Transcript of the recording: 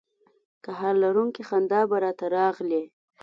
قهر لرونکې خندا به را ته راغلې.